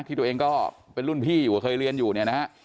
ที่ตัวเองก็เป็นรุ่นพี่อยู่เคยเรียนอยู่เนี่ยนะฮะ